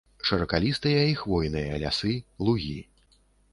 Шыракалістыя і хвойныя лясы, лугі.